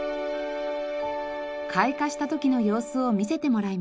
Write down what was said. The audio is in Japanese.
開花した時の様子を見せてもらいました。